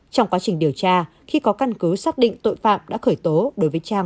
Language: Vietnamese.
trong quá trình điều tra